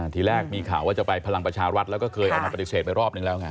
ทีแรกมีข่าวว่าจะไปพลังประชารัฐแล้วก็เคยออกมาปฏิเสธไปรอบนึงแล้วไง